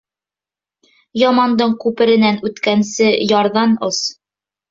Ямандың күперенән үткәнсе, ярҙан ос.